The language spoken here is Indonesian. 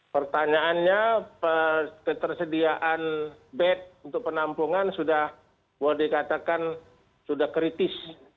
pertanyaannya ketersediaan bed untuk penampungan sudah boleh dikatakan sudah kritis